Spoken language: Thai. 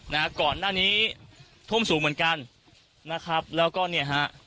นะฮะก่อนหน้านี้ท่วมสูงเหมือนกันนะครับแล้วก็เนี่ยฮะ